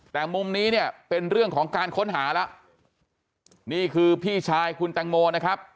แต่มุมนี้เนี่ยเป็นเรื่องของการค้นหาแล้วนี่คือพี่ชายคุณแตงโมนะครับ